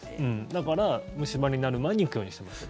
だから虫歯になる前に行くようにしています。